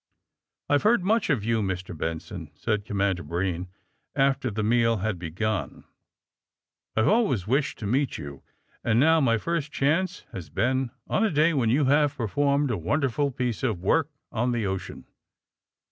'^I have heard much of you, Mr. Benson," said Commander Breen, after the meal had be gun. *'I have always wished to meet you, and now my first chance has been on a day when you have performed a wonderful piece of work on the ocean."